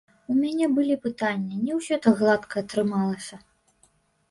У мяне былі пытанні, не ўсё так гладка атрымалася.